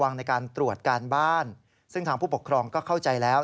ครูไม่ได้จัดการราวเพียงเดิมบวกเพื่องหมายลบเพื่องหมายบวก